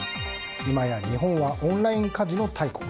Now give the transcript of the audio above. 今や日本はオンラインカジノ大国。